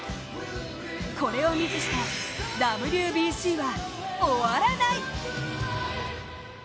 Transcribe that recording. これを見ずしてＷＢＣは終わらない！